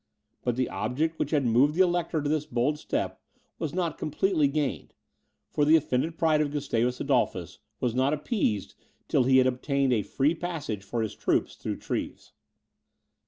But the object which had moved the Elector to this bold step was not completely gained, for the offended pride of Gustavus Adolphus was not appeased till he had obtained a free passage for his troops through Treves.